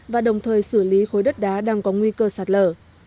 và đồng thời xử lý khối đất đá đang có nguy cơ sạt lở